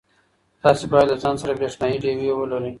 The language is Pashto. تاسي باید له ځان سره برېښنایی ډېوې ولرئ.